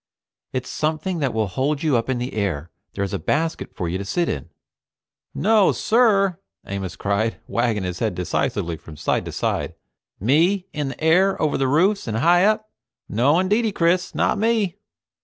"It's something that will hold you up in the air. There's a basket for you to sit in " "No sir!" Amos cried, wagging his head decisively from side to side. "Me in the air over the roofs and high up? No indeedy, Chris! Not me."